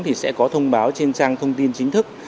thì sẽ có thông báo trên trang thông tin chính thức